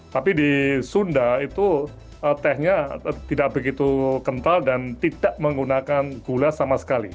tapi di sunda itu tehnya tidak begitu kental dan tidak menggunakan gula sama sekali